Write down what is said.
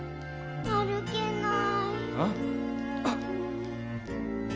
歩けない。